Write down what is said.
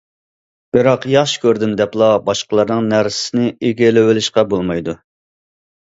بىراق ياخشى كۆردۈم دەپلا باشقىلارنىڭ نەرسىسىنى ئىگىلىۋېلىشقا بولمايدۇ.